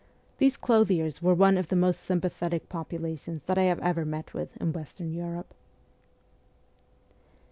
These clothiers were one of the most sympathetic populations that I have ever met with in western Europe.